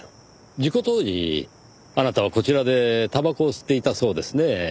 事故当時あなたはこちらでたばこを吸っていたそうですね。